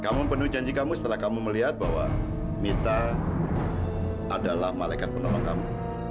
kamu penuh janji kamu setelah kamu melihat bahwa mita adalah malaikat penolong kamu